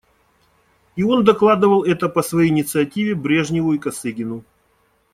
И он докладывал это по своей инициативе Брежневу и Косыгину.